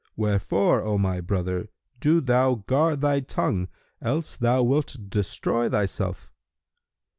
Wherefore, O my brother, do thou guard thy tongue, else thou wilt destroy thyself."